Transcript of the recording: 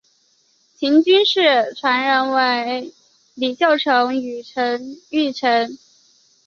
秦军事传人为李秀成与陈玉成。